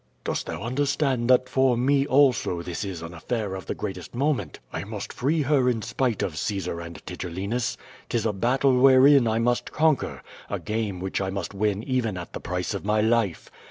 "Dost thou understand that for me also this is an affair of the greatest moment. I must free her in spite of Caesar and Tigellinus. 'Tis a battle wherein I must conquer; a game which I must w;^ even at the price of my life.